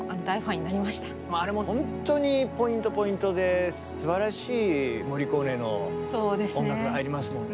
あれも本当にポイントポイントですばらしいモリコーネの音楽が入りますもんね。